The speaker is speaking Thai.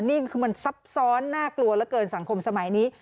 นี่คือมันซับซ้อนน่ากลัวเหลือเกินสังคมสมัยนี้